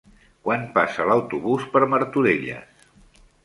Quan passa l'autobús per Martorelles?